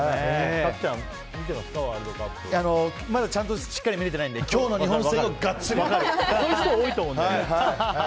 角ちゃんまだちゃんとしっかり見れてないので今日の日本戦はそういう人多いと思う。